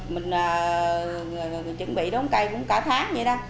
mình chuẩn bị đốn cây cũng cả tháng vậy đó